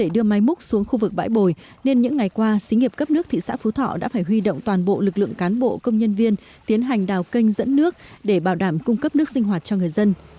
đưa máy múc xuống khu vực bãi bồi nên những ngày qua xí nghiệp cấp nước thị xã phú thọ đã phải huy động toàn bộ lực lượng cán bộ công nhân viên tiến hành đào kênh dẫn nước để bảo đảm cung cấp nước sinh hoạt cho người dân